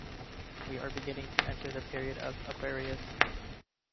We are beginning to enter the period of Aquarius.